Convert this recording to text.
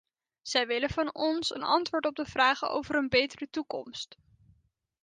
Zij willen van ons een antwoord op de vragen over een betere toekomst.